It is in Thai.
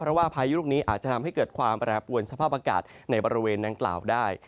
เพราะว่าพายุลูกนี้อาจจะทำให้เกิดความแปรปวนสภาพอากาศในบริเวณดังกล่าวได้